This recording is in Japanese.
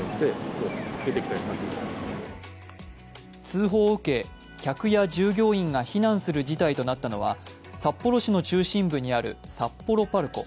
通報を受け、客や従業員が避難する事態となったのは札幌市の中心部にある札幌ＰＡＲＣＯ。